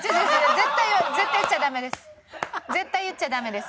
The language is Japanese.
絶対絶対言っちゃダメです。